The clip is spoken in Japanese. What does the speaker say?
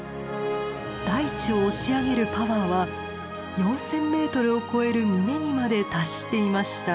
大地を押し上げるパワーは４，０００ｍを超える峰にまで達していました。